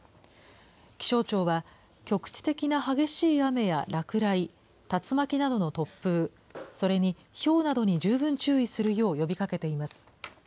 気象庁は、局地的な激しい雨や落雷、竜巻などの突風、それにひょうなどに十分注意するよう呼びかけています。